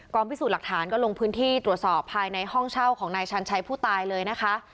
พิสูจน์หลักฐานก็ลงพื้นที่ตรวจสอบภายในห้องเช่าของนายชันชัยผู้ตายเลยนะคะ